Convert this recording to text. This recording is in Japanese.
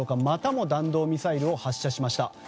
またも弾道ミサイルを発射しました。